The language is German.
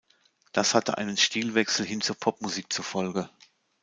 Das hatte einen Stilwechsel hin zur Popmusik zur Folge.